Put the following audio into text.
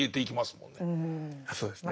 そうですね。